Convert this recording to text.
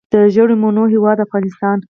د ژیړو مڼو هیواد افغانستان.